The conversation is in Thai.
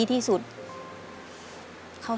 ขอบคุณครับ